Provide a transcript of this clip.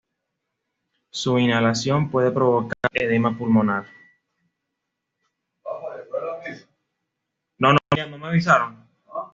Su inhalación puede provocar edema pulmonar.